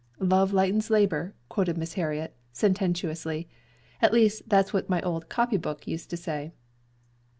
"Love lightens labor," quoted Miss Harriet, sententiously. "At least that's what my old copy book used to say."